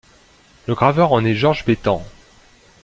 Le graveur en est Georges Bétemps.